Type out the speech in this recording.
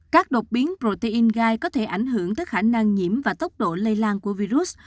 các đột biến protein gai có thể ảnh hưởng tới khả năng nhiễm và tốc độ lây lan của virus